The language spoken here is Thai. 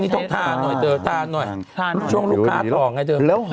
ช่วงนี้ต้องทานหน่อย